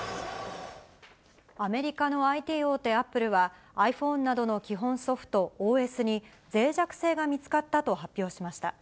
アメリカのＩＴ大手、アップルは、ｉＰｈｏｎｅなどの基本ソフト・ＯＳに、ぜい弱性が見つかったと発表しました。